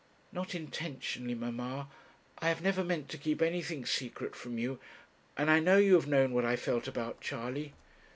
'Not intentionally, mamma; I have never meant to keep anything secret from you. And I know you have known what I felt about Charley.'